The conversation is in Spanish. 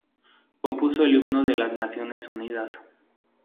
Compuso el himno de las Naciones Unidas.